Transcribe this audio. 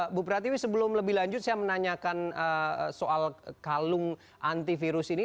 ibu pratiwi sebelum lebih lanjut saya menanyakan soal kalung antivirus ini